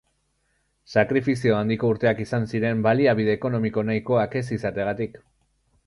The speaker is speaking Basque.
Sakrifizio handiko urteak izan ziren baliabide ekonomiko nahikoak ez izateagatik.